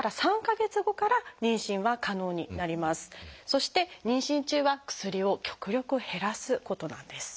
そして妊娠中は薬を極力減らすことなんです。